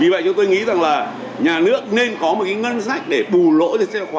vì vậy tôi nghĩ rằng là nhà nước nên có một cái ngân sách để bù lỗ cho sách giáo khoa